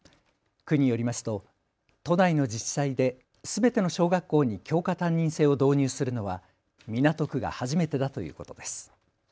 区によりますと都内の自治体ですべての小学校に教科担任制を導入するのは港区が初めてだということです。